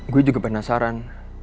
gua juga penasaran